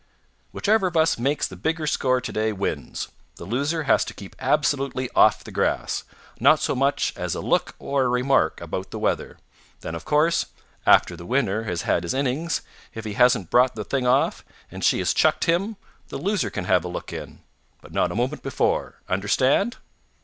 "Whichever of us makes the bigger score today wins. The loser has to keep absolutely off the grass. Not so much as a look or a remark about the weather. Then, of course, after the winner has had his innings, if he hasn't brought the thing off, and she has chucked him, the loser can have a look in. But not a moment before. Understand?"